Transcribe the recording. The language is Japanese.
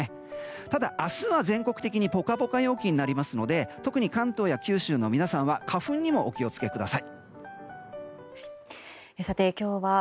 ただ明日は全国的にポカポカ陽気になりますので特に関東や九州の皆さんは花粉にもお気を付けください。